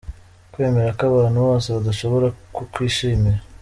Kwemera ko abantu bose badashobora kukwishimira.